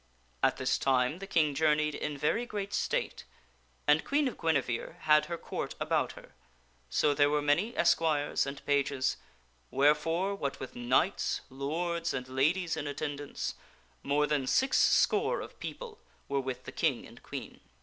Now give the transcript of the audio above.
At this time the King journeyed in very great state, and Queen Guinevere had her Court about her, so there were many esquires and pages ; wherefore, what with knights, lords, and ladies in attendance, more than six score of people were with the King and Queen.